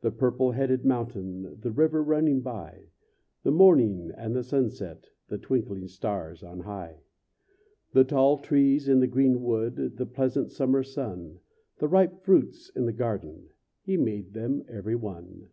The purple headed mountain, The river running by, The morning and the sunset, The twinkling stars on high; The tall trees in the greenwood, The pleasant summer sun, The ripe fruits in the garden He made them every one.